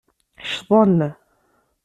Ccḍen.